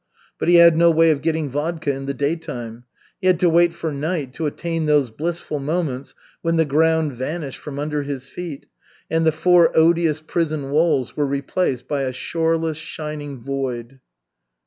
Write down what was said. But he had no way of getting vodka in the daytime. He had to wait for night to attain those blissful moments when the ground vanished from under his feet and the four odious prison walls were replaced by a shoreless, shining void.